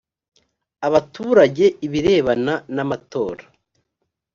abaturage ibirebana n amatora